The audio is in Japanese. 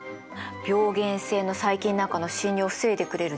病原性の細菌なんかの侵入を防いでくれる善玉菌なの。